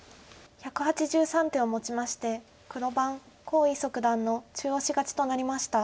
１８３手をもちまして黒番黄翊祖九段の中押し勝ちとなりました。